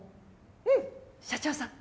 うん社長さん